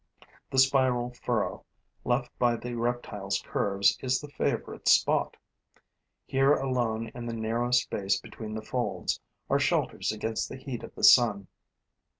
The spiral furrow left by the reptile's curves is the favorite spot. Here alone, in the narrow space between the folds, are shelters against the heat of the sun.